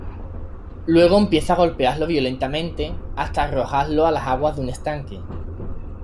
Luego empieza a golpearlo violentamente, hasta arrojarlo a las aguas de un estanque.